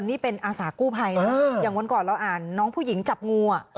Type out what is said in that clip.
นี่เป็นอาสากู้ภัยนะอย่างวันก่อนเราอ่านน้องผู้หญิงจับงูอ่ะ